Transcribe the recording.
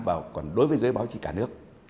và còn đối với giới báo chí cả nước